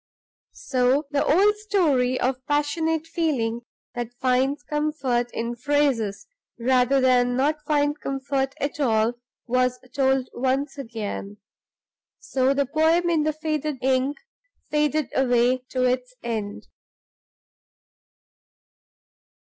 So the old story of passionate feeling that finds comfort in phrases rather than not find comfort at all was told once again. So the poem in the faded ink faded away to its end.